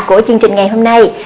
của chương trình ngày hôm nay